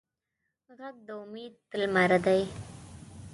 غږ د امید لمر دی